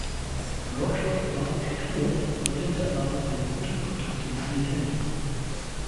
Rogers war schockiert, offerierte aber seine guten Kontakte mit Nintendo.